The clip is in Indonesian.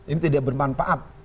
ini tidak bermanfaat